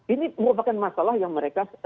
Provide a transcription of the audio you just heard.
ini merupakan masalah yang mereka